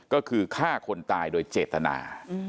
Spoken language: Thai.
ก็คือฆ่าคนตายโดยเจตนา